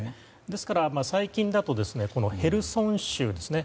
ですから最近だとへルソン州ですね。